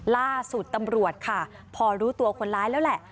ล่าสุดตำรวจค่ะพอรู้ตัวคนร้ายแล้วแหละ